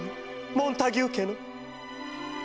モンタギュー家の」。